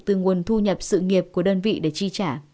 từ nguồn thu nhập sự nghiệp của đơn vị để chi trả